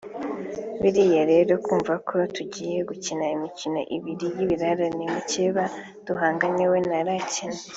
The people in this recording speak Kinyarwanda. Biriya rero kumva ko tugiye gukina imikino ibiri y’ibirarane mukeba duhanganye we ntarakina